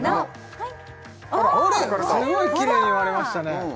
すごいキレイに割れましたね